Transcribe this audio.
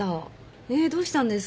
えっどうしたんですか？